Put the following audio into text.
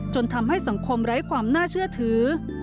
ทำให้สังคมไร้ความน่าเชื่อถือ